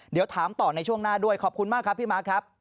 เดี๋ยวถามต่อในช่วงหน้าด้วยขอบคุณมากครับพี่มาร์คครับ